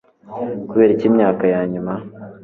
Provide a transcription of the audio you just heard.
Kubera iki imyaka ya nyuma